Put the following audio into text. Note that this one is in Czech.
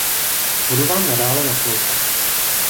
Budu vám nadále naslouchat.